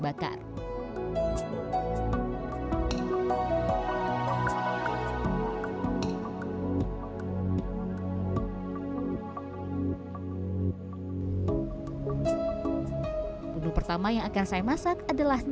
berkaitan dengan penyebaran agama islam di kota ini